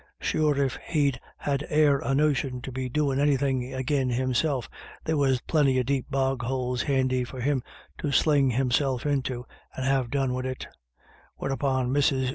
Sure if he'd had e'er a notion to be doin' anythin* agin himself, there was plenty of deep bog holes handy for him to sling himself into, and have done wid it" Whereupon 3 i4 IRISH IDYLLS. Mrs.